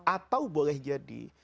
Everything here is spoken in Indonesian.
atau boleh jadi